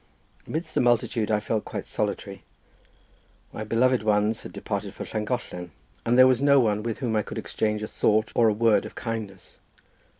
Amidst the multitude I felt quite solitary—my beloved ones had departed for Llangollen, and there was no one with whom I could exchange a thought or a word of kindness.